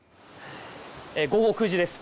午後９時です。